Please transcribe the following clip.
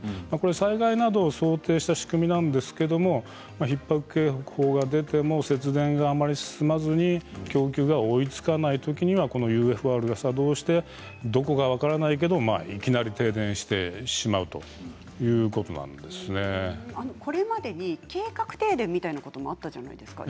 災害などを想定した仕組みなんですけれどひっ迫警報が出ても節電があまり進まずに供給が追いつかないときにはこのＵＦＲが作動してどこか分からないけれどもいきなり停電してしまうこれまでに計画停電みたいなこともあったじゃないですか。